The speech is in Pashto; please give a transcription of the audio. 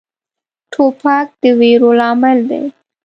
توپک د ویرو لامل دی.